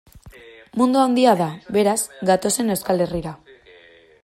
Mundua handia da, beraz, gatozen Euskal Herrira.